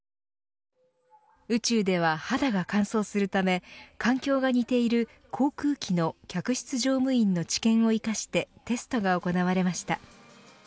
宇宙では肌が乾燥するため環境が似ている航空機の客室乗務員の知見を生かしてテストが行われました。